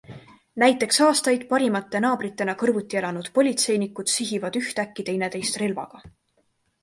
Näiteks aastaid parimate naabritena kõrvuti elanud politseinikud sihivad ühtäkki teineteist relvaga.